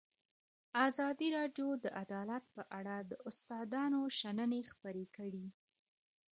ازادي راډیو د عدالت په اړه د استادانو شننې خپرې کړي.